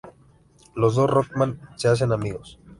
Los dos Rockman se hacen amigos.